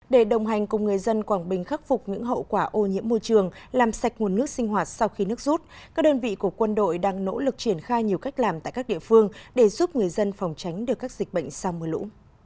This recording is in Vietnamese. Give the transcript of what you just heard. để đồng hành cùng người dân quảng bình khắc phục những hậu quả ô nhiễm môi trường làm sạch nguồn nước sinh hoạt sau khi nước rút các đơn vị của quân đội đang nỗ lực triển khai nhiều cách làm tại các địa phương để giúp người dân phòng tránh được các dịch bệnh sau mưa lũ